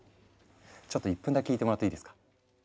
ちょっと１分だけ聞いてもらっていいですか。